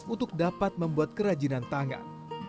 untuk dapat membuat kerajinan tangan